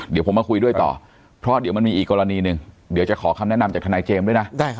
เดี๋ยวผมมาคุยด้วยต่อเพราะเดี๋ยวมันมีอีกกรณีหนึ่งเดี๋ยวจะขอคำแนะนำจากทนายเจมส์ด้วยนะ